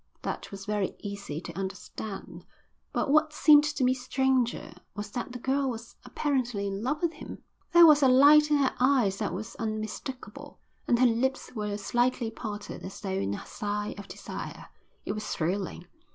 That was very easy to understand; but what seemed to me stranger was that the girl was apparently in love with him. There was a light in her eyes that was unmistakable, and her lips were slightly parted as though in a sigh of desire. It was thrilling.